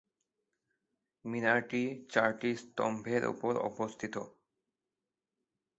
মিনারটি চারটি স্তম্ভের উপর অবস্থিত।